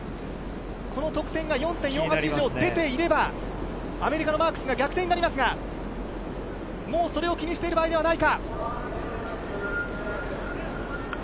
この得点が４．４８以上出ていれば、アメリカのマークスが逆転になりますが、もうそれを気にしている場合ではないか。